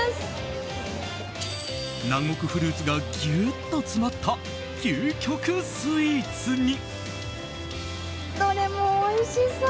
南国フルーツがギュッと詰まった究極スイーツに。